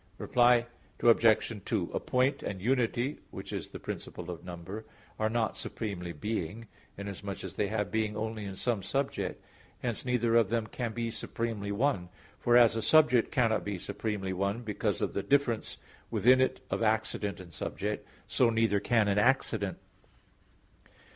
_ Reply Obj. 2: A point and unity which is the principle of number, are not supremely being, inasmuch as they have being only in some subject. Hence neither of them can be supremely one. For as a subject cannot be supremely one, because of the difference within it of accident and subject, so neither can an accident.